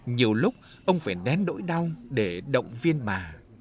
nhiều lúc ông phải đén đỗi đau để động viên bà